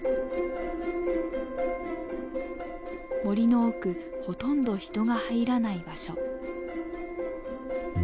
森の奥ほとんど人が入らない場所。